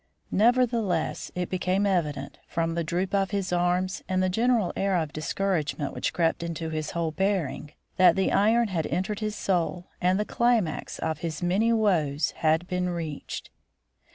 Nevertheless it became evident, from the droop of his arms and the general air of discouragement which crept into his whole bearing, that the iron had entered his soul and the climax of his many woes had been reached.